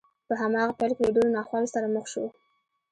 په هماغه پيل کې له ډېرو ناخوالو سره مخ شو.